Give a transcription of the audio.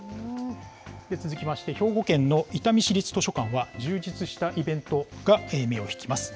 続きまして、兵庫県の伊丹市立図書館は、充実したイベントが目をひきます。